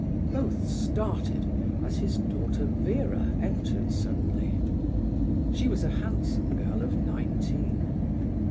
Both started as his daughter Vera entered suddenly. She was a handsome girl of nineteen.